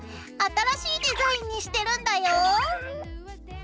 新しいデザインにしてるんだよ。